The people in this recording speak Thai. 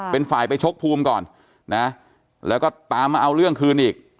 เป็นฝ่ายไปชกภูมิก่อนนะแล้วก็ตามมาเอาเรื่องคืนอีก